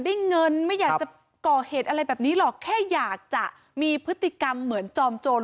ได้เงินไม่อยากจะก่อเหตุอะไรแบบนี้หรอกแค่อยากจะมีพฤติกรรมเหมือนจอมโจร